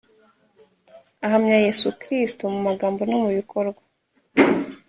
ahamya yesu kristo mu magambo no mu bikorwa .